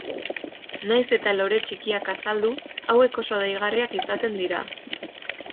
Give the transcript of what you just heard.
Nahiz eta lore txikiak azaldu, hauek oso deigarriak izaten dira.